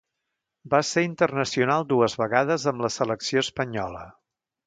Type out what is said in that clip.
Va ser internacional dues vegades amb la selecció espanyola.